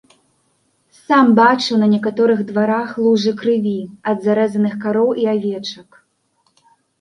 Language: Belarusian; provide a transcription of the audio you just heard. Сам бачыў на некаторых дварах лужы крыві ад зарэзаных кароў і авечак.